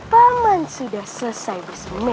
paman sudah selesai bersama